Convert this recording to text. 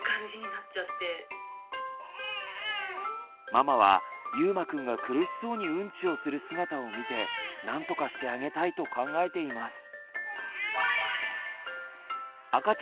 ママはゆうまくんが苦しそうにウンチをする姿を見て何とかしてあげたいと考えています。